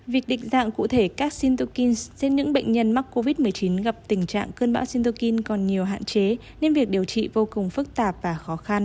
việc định dạng cụ thể các sintokin trên những bệnh nhân mắc covid một mươi chín gặp tình trạng cơn bão sintokin còn nhiều hạn chế nên việc điều trị vô cùng phức tạp và khó khăn